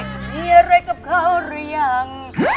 จะมีอะไรกับเขาหรือยัง